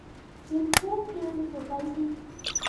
In Who Killed Society?